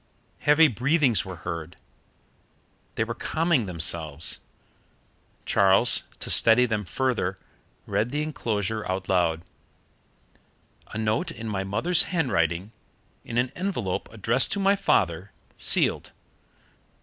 Heavy breathings were heard. They were calming themselves. Charles, to steady them further, read the enclosure out loud: "A note in my mother's handwriting, in an envelope addressed to my father, sealed.